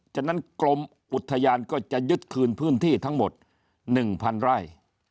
ฉะนั้นกรมอุทยานก็จะยึดคืนพื้นที่ทั้งหมด๑๐๐๐ไร่